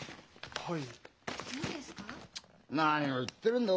はい。